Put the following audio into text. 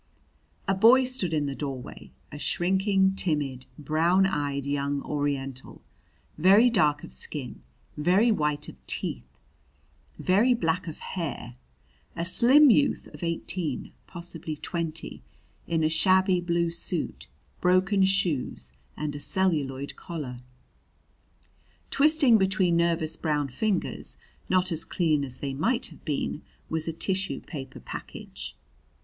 A boy stood in the doorway a shrinking, timid, brown eyed young Oriental, very dark of skin, very white of teeth, very black of hair a slim youth of eighteen, possibly twenty, in a shabby blue suit, broken shoes, and a celluloid collar. Twisting between nervous brown fingers, not as clean as they might have been, was a tissue paper package.